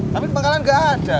tapi di pangkalan gak ada